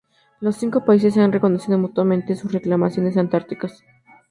Los cinco países se han reconocido mutuamente sus reclamaciones antárticas.